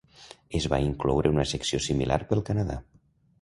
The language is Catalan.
Es va incloure una secció similar pel Canadà.